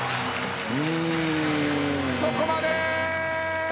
そこまで！